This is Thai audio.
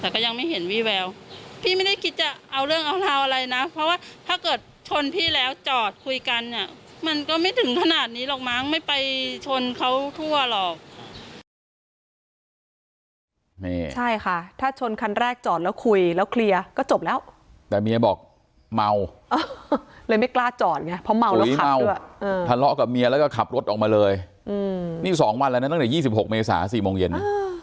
แต่ก็ยังไม่เห็นวี่แววพี่ไม่ได้คิดจะเอาเรื่องเอาราวอะไรนะเพราะว่าถ้าเกิดชนพี่แล้วจอดคุยกันอ่ะมันก็ไม่ถึงขนาดนี้หรอกมั้งไม่ไปชนเขาทั่วหรอกนี่ใช่ค่ะถ้าชนคันแรกจอดแล้วคุยแล้วเคลียร์ก็จบแล้วแต่เมียบอกเมาเลยไม่กล้าจอดไงเพราะเมาแล้วขับด้วยทะเลาะกับเมียแล้วก็ขับรถออกมาเลยนี่สองวันแล้วนะตั้งแต่๒๖เมษา๔โมงเย็นนะ